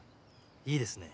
いいですね。